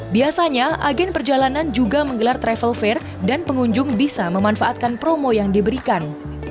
biasanya agen perjalanan juga menggelar travel fair dan pengunjung bisa memanfaatkan promo yang diberikan